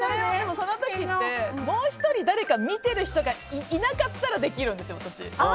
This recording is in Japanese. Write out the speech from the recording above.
その時って、もう１人誰か見てる人がいなかったらできるんですよ、私。